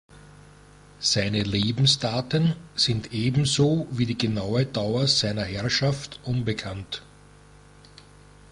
Seine Lebensdaten sind ebenso wie die genaue Dauer seiner Herrschaft unbekannt.